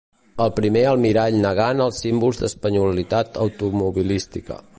El primer almirall negant els símbols d'espanyolitat automobilística.